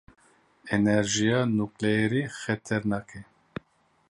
Enerjiya nuklerî xeternak e.